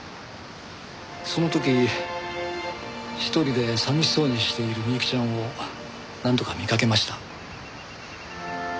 その時１人で寂しそうにしている美雪ちゃんを何度か見かけました。